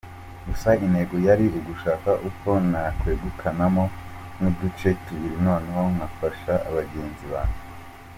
Gusa intego yari ugushaka uko nakegukanamo nk’uduce tubiri noneho ngafasha bagenzi banjye.